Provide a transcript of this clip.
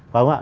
phải không ạ